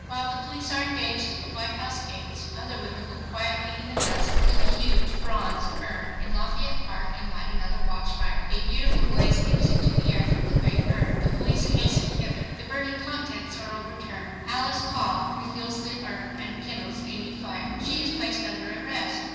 While the police are engaged at the White House gates, other women go quietly in the dusk to the huge bronze urn in Lafayette Park and light another watchfire. A beautiful blaze leaps into the air from the great urn. The police hasten hither. The burning contents are overturned. Alice Paul refills the urn and kindles a new fire. She is placed under arrest.